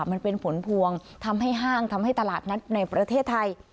มันเป็นผลพวงทำให้ห้างทำให้ตลาดนัดในประเทศไทย